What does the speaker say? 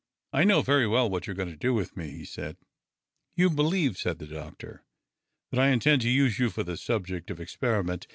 " I know very well what you are going to do with me," he said. "You believe," said the doctor, "that I intend to use you for the subject of experiment.